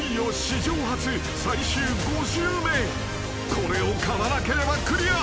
［これをかまなければクリア。